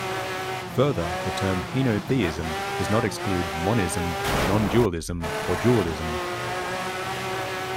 Further, the term henotheism does not exclude monism, nondualism or dualism.